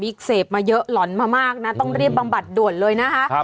เสพมาเยอะหล่อนมามากนะต้องรีบบำบัดด่วนเลยนะคะ